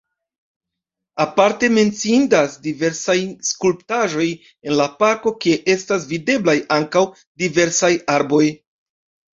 Aparte menciindas diversaj skulptaĵoj en la parko, kie estas videblaj ankaŭ diversaj arboj.